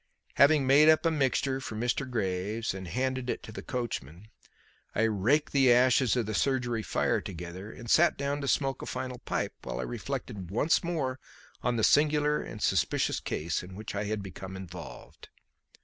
Having made up a mixture for Mr. Graves and handed it to the coachman, I raked the ashes of the surgery fire together and sat down to smoke a final pipe while I reflected once more on the singular and suspicious case in which I had become involved.